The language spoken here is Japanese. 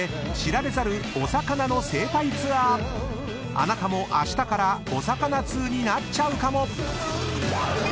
［あなたもあしたからお魚通になっちゃうかも⁉］